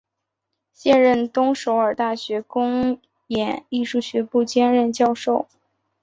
现任东首尔大学公演艺术学部兼任教授。